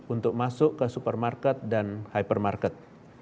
untuk masuk ke supermarket dan hypermarket